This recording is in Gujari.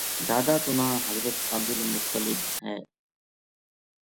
دادا کو ناں حضرت عبدالمطلب ہے۔